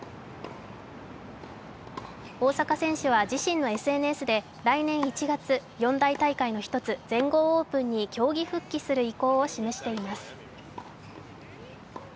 大阪選手は自身のＳＮＳで来年１月、四大大会の１つ、全豪オープンに競技復帰する意向を示しています。